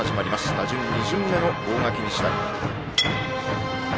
打順２巡目の大垣日大。